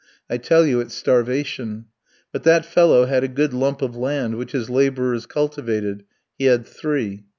I tell you it's starvation. But that fellow had a good lump of land, which his labourers cultivated; he had three.